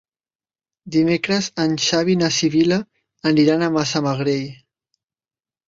Dimecres en Xavi i na Sibil·la aniran a Massamagrell.